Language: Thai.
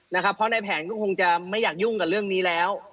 เพราะในแผนก็คงจะไม่อยากยุ่งกับเรื่องนี้แล้ว